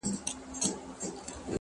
بیا تر مرګه مساپر یم نه ستنېږم!!